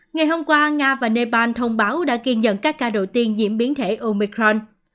ngày hôm qua nga và nepal thông báo đã kiên nhận các ca đầu tiên nhiễm biến thể omicron